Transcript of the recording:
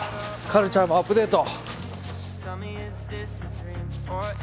カルチャーもアップデート。